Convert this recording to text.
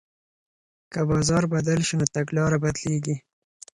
که بازار بدل شي نو تګلاره بدلیږي.